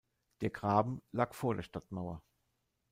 Der Graben lag vor der Stadtmauer.